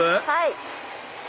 はい！